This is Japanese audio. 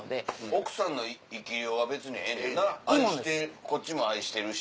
奥さんの生き霊は別にええねんな愛してこっちも愛してるし。